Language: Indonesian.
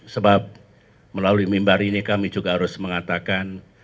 sebab melalui mimbar ini kami juga harus mengatakan